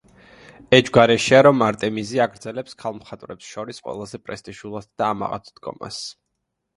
ეჭვგარეშეა, რომ არტემიზია აგრძელებს ქალ მხატვრებს შორის ყველაზე პრესტიჟულად და ამაყად დგომას.